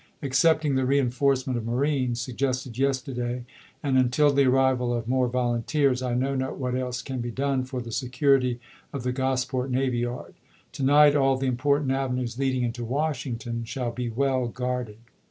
Excepting the reenforcement of marines (suggested yesterday), and until the arrival of more volunteers, I know not what else can be done for the security of the Gosport navy yard. To night all the important avenues leading into Wash ms. ington shall be well guarded.